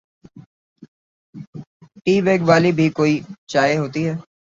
T bag والی بھی کوئی چائے ہوتی ہے؟